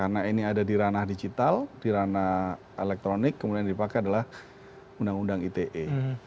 karena ini ada di ranah digital di ranah elektronik kemudian yang dipakai adalah undang undang ite